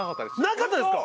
なかったですか？